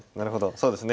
そうですね。